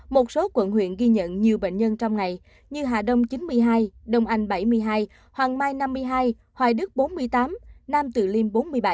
một số quận huyện ghi nhận nhiều bệnh nhân trong ngày như hà đông chín mươi hai đông anh bảy mươi hai hoàng mai năm mươi hai hoài đức bốn mươi tám nam từ liêm bốn mươi bảy